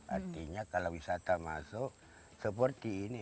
artinya kalau wisata masuk seperti ini